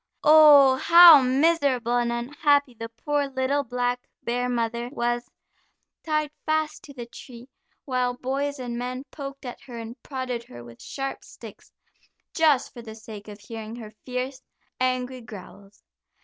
Oh, how miserable and unhappy the poor, little black bear mother was, tied fast to the tree, while boys and men poked at her and prodded her with sharp sticks, just for the sake of hearing her fierce, angry growls.